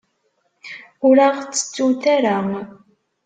Ur aɣ-ttettut ara.